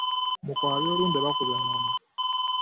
Mukwabya olumbe bakuba eŋŋoma.